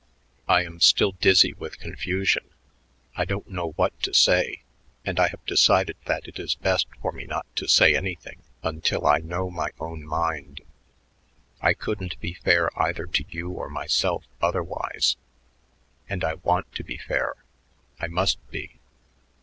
I am still dizzy with confusion. I don't know what to say, and I have decided that it is best for me not to say anything until I know my own mind. I couldn't be fair either to you or myself otherwise. And I want to be fair; I must be.